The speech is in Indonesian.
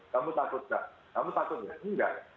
kamu takut nggak kamu takut ya enggak